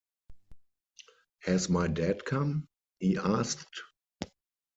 “Has my dad come?” he asked.